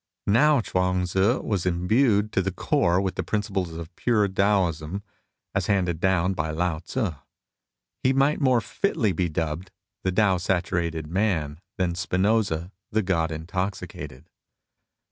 Now Chuang Tzu was imbued to the core with the principles of pure Taoism, as handed down by Lao Tzu. He might more fitly be dubbed '' the Tao saturated man " than Spinoza '' the God intoxicated."